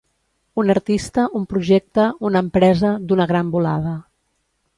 Un artista, un projecte, una empresa, d'una gran volada.